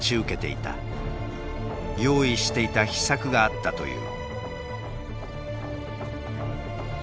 用意していた秘策があったという。